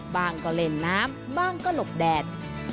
ก็เล่นน้ำบ้างก็หลบแดด